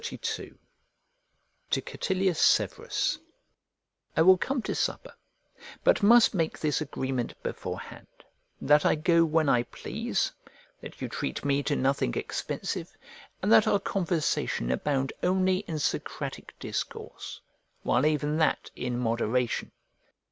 XXXII To CATILIUS SEVERUS I WILL come to supper, but must make this agreement beforehand, that I go when I please, that you treat me to nothing expensive, and that our conversation abound only in Socratic discourse, while even that in moderation.